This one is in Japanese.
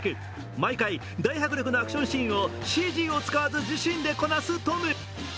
毎回、大迫力のアクションシーンをＣＧを使わず自身でこなすトム。